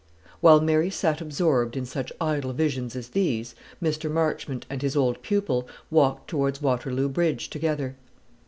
While Mary sat absorbed in such idle visions as these, Mr. Marchmont and his old pupil walked towards Waterloo Bridge together.